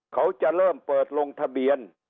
เขาจะเริ่มเปิดลงทะเบียน